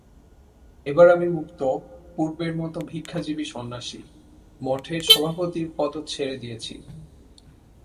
এবার আমি মুক্ত, পূর্বের মত ভিক্ষাজীবী সন্ন্যাসী, মঠের সভাপতির পদও ছেড়ে দিয়েছি।